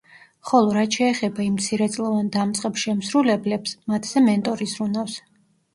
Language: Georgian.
ხოლო რაც შეეხება იმ მცირეწლოვან დამწყებ შემსრულებელებს, მათზე მენტორი ზრუნავს.